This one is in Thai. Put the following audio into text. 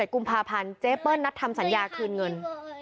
กุมภาพันธ์เจ๊เปิ้ลนัดทำสัญญาคืนเงิน